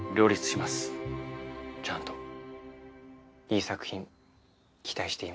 いい作品期待しています。